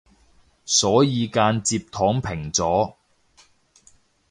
所以間接躺平咗